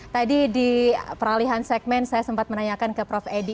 tadi di peralihan segmen saya sempat menanyakan ke prof edi